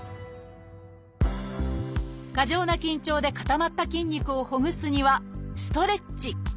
過剰な緊張で固まった筋肉をほぐすにはストレッチ。